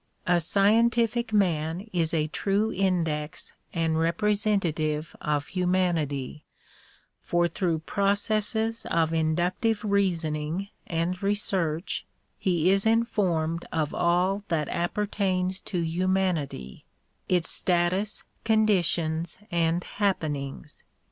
A scientific man is a true index and representative of humanity, for through processes of in ductive reasoning and research he is informed of all that appertains to humanity, its status, conditions and happenings.